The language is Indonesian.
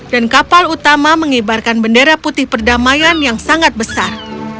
dan kapal utama mengibarkan bendera putih perdamaian yang sangat besar